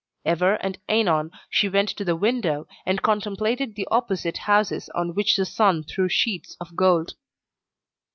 Ever and anon she went to the window, and contemplated the opposite houses on which the sun threw sheets of gold.